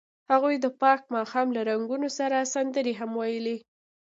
هغوی د پاک ماښام له رنګونو سره سندرې هم ویلې.